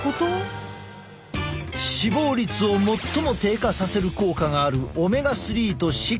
死亡率を最も低下させる効果があるオメガ３と６。